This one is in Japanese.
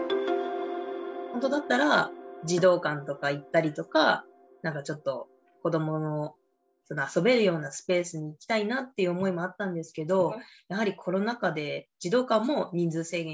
ほんとだったら児童館とか行ったりとか子どもの遊べるようなスペースに行きたいなっていう思いもあったんですけどやはりコロナ禍で児童館も人数制限してて